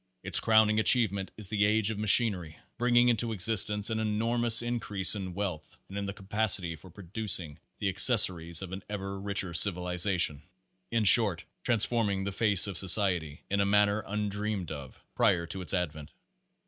Its crowning achievement is the Age of Machinery, bringing into existence an enormous in crease in wealth and in the capacity for producing the accessories of an ever richer civilization; in short; transforming the face of Society in a manner un dreamed of prior to its advent.